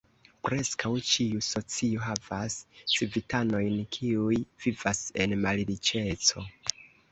Preskaŭ ĉiu socio havas civitanojn kiuj vivas en malriĉeco.